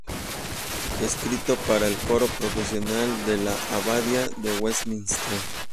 Escrito para el coro profesional de la Abadía de Westminster.